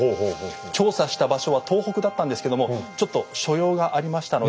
調査した場所は東北だったんですけどもちょっと所用がありましたので。